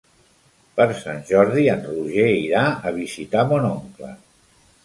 Per Sant Jordi en Roger irà a visitar mon oncle.